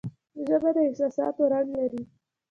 ژبه د احساساتو رنگ لري